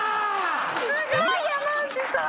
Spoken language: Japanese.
すごい山内さん。